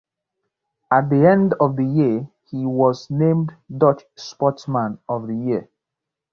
At the end of the year he was named Dutch Sportsman of the year.